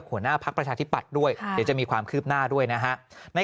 หัวหน้าพักประชาธิปัตย์ด้วยเดี๋ยวจะมีความคืบหน้าด้วยนะฮะ